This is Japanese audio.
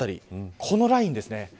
このラインですね。